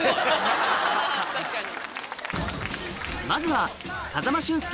確かに。